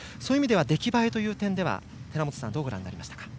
出来栄えという点では寺本さんどうご覧になりましたか？